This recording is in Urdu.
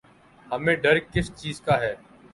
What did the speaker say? ہمیں ڈر کس چیز کا ہے؟